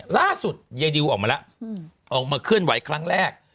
ล่าสุดยายดิวออกมาแล้วออกมาเคลื่อนไหวครั้งแรก